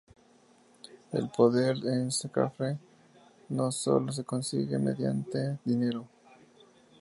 El poder en "Scarface" no sólo se consigue mediante dinero.